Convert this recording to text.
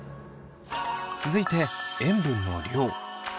続いて塩分の量。